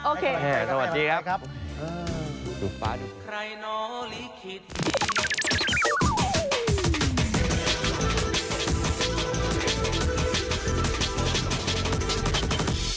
โอเคครับสวัสดีครับดูฟ้าดูเหมือนกันครับ